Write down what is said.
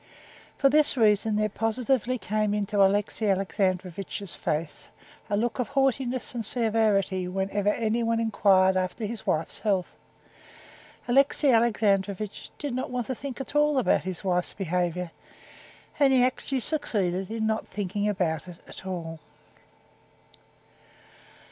For this reason there positively came into Alexey Alexandrovitch's face a look of haughtiness and severity whenever anyone inquired after his wife's health. Alexey Alexandrovitch did not want to think at all about his wife's behavior, and he actually succeeded in not thinking about it at all.